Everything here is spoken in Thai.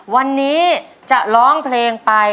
วันนี้จะร้องเพลงไป